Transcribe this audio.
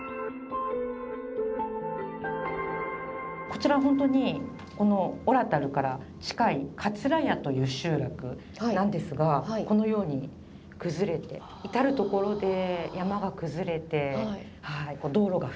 こちら本当にこのおらたるから近い桂谷という集落なんですがこのように崩れてこんなにそうなんです。